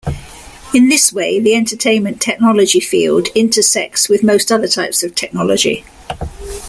In this way, the entertainment technology field intersects with most other types of technology.